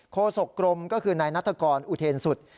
โศกรมก็คือนายนัฐกรอุเทนสุด